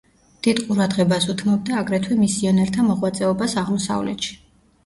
დიდ ყურადღებას უთმობდა აგრეთვე მისიონერთა მოღვაწეობას აღმოსავლეთში.